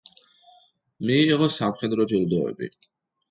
მიიღო სამხედრო ჯილდოები.